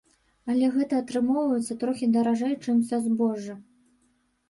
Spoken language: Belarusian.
Але гэта атрымоўваецца трохі даражэй чым са збожжа.